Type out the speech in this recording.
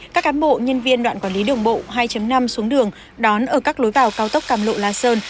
các cám bộ nhân viên đoạn quản lý đường bộ hai năm xuống đường đón ở các lối vào cao tốc càm lộ la sơn